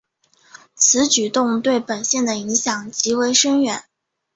此举动对本线的影响极为深远。